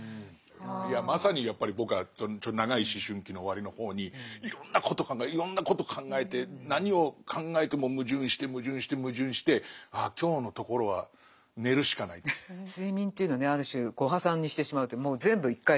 いやまさにやっぱり僕は長い思春期の終わりの方にいろんなこと考えいろんなこと考えて何を考えても矛盾して矛盾して矛盾してああ睡眠が当たり前のことになってきちゃうと今度やっぱり脳がね